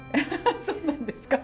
そうなんですか？